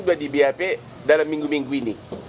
sudah di bap dalam minggu minggu ini